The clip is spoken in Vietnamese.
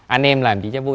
anh em làm chỉ cho vui